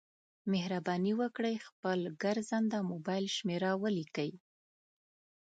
مهرباني وکړئ خپل د ګرځنده مبایل شمېره ولیکئ